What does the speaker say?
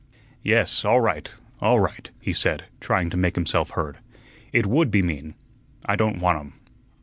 "Yes, all right, all right," he said, trying to make himself heard. "It WOULD be mean. I don't want 'em."